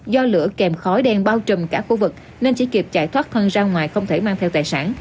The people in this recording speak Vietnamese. do lửa kèm khói đen bao trùm cả khu vực nên chỉ kịp chạy thoát thân ra ngoài không thể mang theo tài sản